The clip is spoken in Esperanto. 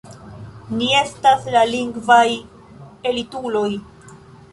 Ni estas la lingvaj elituloj!